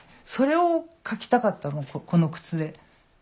それを描きたかったのこの靴で。